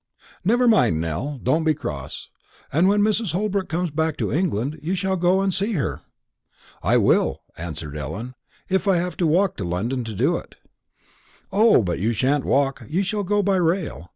Never mind, Nell; don't be cross. And when Mrs. Holbrook comes back to England, you shall go and see her." "I will," answered Ellen; "if I have to walk to London to do it." "O, but you sha'n't walk. You shall go by rail.